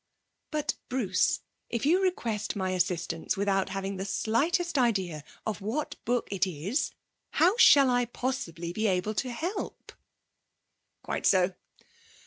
'But, Bruce, if you request my assistance without having the slightest idea of what book it is, how shall I possibly be able to help?' 'Quite so